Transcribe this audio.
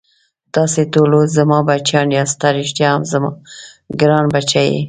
تاسې ټوله زما بچیان یاست، ته ريښتا هم زما ګران بچی یې.